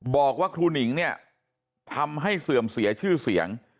บอกว่าครูหนิงเนี่ยทำให้เสื่อมเสียชื่อเสียง